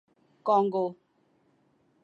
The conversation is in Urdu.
کانگو